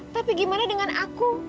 tapi gimana dengan aku